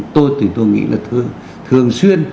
tôi thì tôi nghĩ là thường xuyên